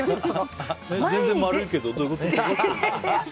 全然丸いけど、どういうこと？